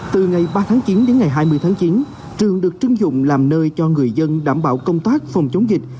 từ ngày ba tháng chín đến ngày hai mươi tháng chín trường được chưng dụng làm nơi cho người dân đảm bảo công tác phòng chống dịch